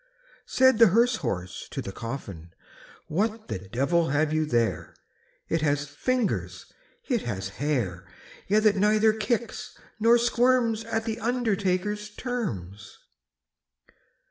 Said the hearse horse to the coffin, "What the devil have you there? It has fingers, it has hair; Yet it neither kicks nor squirms At the undertaker's terms."